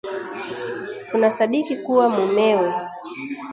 Tunasadiki kuwa, mumewe